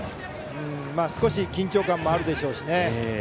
少し緊張感もあるでしょうし。